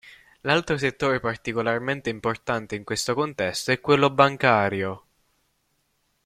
L'altro settore particolarmente importante in questo contesto è quello bancario.